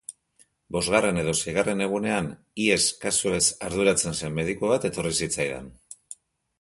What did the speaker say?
Bosgarren edo seigarren egunean hies kasuez arduratzen zen mediku bat etorri zitzaidan.